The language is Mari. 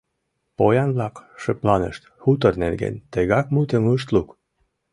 Поян-влак шыпланышт, хутор нерген тегак мутым ышт лук.